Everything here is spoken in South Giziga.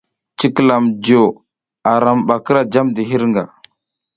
Cikilam jo aram ɓa kira jamdi hirnga.